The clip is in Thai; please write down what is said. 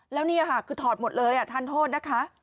แล้วนี่ค่ะคือถอดหมดเลยทานโทษนะคะ